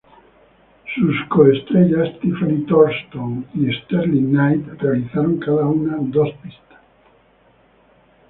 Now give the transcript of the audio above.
Sus co-estrellas, Tiffany Thornton y Sterling Knight realizaron cada uno dos pistas.